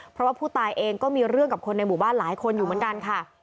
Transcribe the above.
เพราะว่าผู้ตายเองก็มีเรื่องกับคนในหมู่บ้านหลายคนอยู่เหมือนกันค่ะ